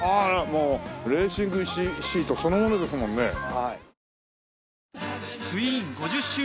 もうレーシングシートそのものですもんね。